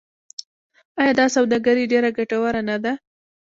آیا دا سوداګري ډیره ګټوره نه ده؟